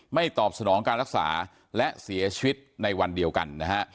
ตอบสนองการรักษาและเสียชีวิตในวันเดียวกันนะฮะ